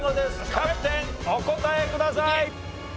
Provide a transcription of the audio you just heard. キャプテンお答えください。